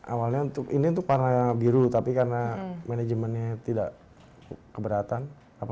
awalnya untuk ini untuk warna yang biru tapi karena manajemennya tidak keberatan